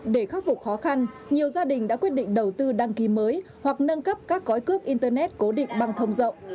để khắc phục khó khăn nhiều gia đình đã quyết định đầu tư đăng ký mới hoặc nâng cấp các gói cước internet cố định băng thông rộng